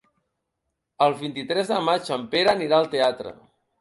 El vint-i-tres de maig en Pere anirà al teatre.